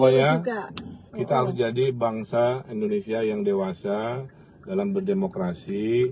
oh ya kita harus jadi bangsa indonesia yang dewasa dalam berdemokrasi